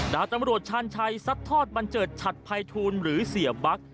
ดาบตำรวจชาญชัยซัดทอดบันเจิดฉัดภัยทูลหรือเสียบั๊ก